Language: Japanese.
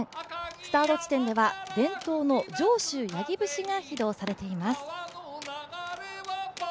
スタート地点では伝統の上州八木節が披露されています。